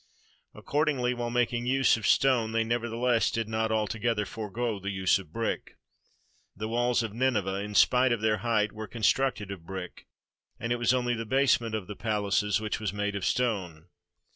Accord ingly, while making use of stone they nevertheless did not altogether forego the use of brick. The walls of Nineveh, in spite of their height, were constructed of brick, and it was only the basement of the palaces which was made of stone.